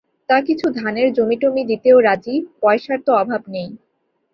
তা কিছু ধানের জমিটমি দিতেও রাজি-পয়সার তো অভাব নেই!